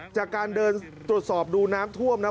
จากการเดินตรวจสอบดูน้ำท่วมนะ